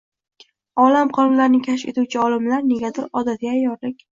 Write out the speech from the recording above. olam qonunlarini kashf etuvchi olimlar, negadir, odatiy ayyorlik